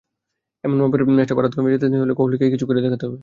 এমন চাপের ম্যাচটা ভারতকে জেতাতে হলে কোহলিকেই কিছু করে দেখাতে হবে।